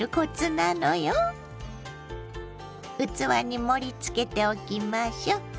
器に盛りつけておきましょ。